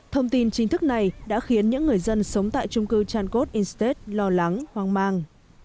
thông tin chính thức này đã khiến những người dân sống tại chung cư chancot estate lo lắng hoang mang